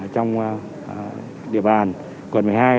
trong địa bàn quận một mươi hai